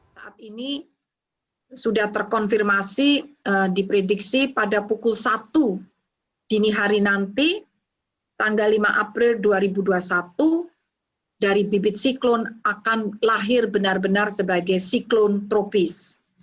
saat ini sudah terkonfirmasi diprediksi pada pukul satu dini hari nanti tanggal lima april dua ribu dua puluh satu dari bibit siklon akan lahir benar benar sebagai siklon tropis